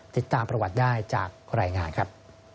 ติดตามประวัติได้จากรายงานครับ